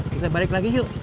kita balik lagi yuk